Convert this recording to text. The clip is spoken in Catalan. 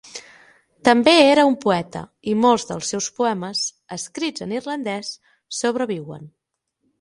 També era un poeta i molts dels seus poemes, escrit en irlandès, sobreviuen.